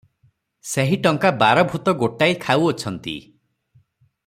ସେହି ଟଙ୍କା ବାର ଭୂତ ଗୋଟାଇ ଖାଉଅଛନ୍ତି ।